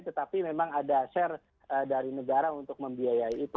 tetapi memang ada share dari negara untuk membiayai itu